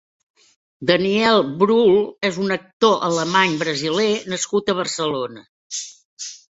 Daniel Brühl és un actor alemany--brasiler nascut a Barcelona.